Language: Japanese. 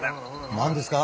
何ですか。